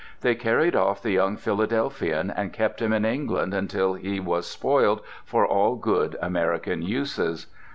They carried off the young Philadelphian and kept him in England until he was spoiled for all good American uses.